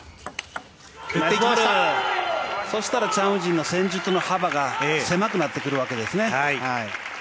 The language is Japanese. チャン・ウジンが戦術の幅が狭くなってくるわけですね。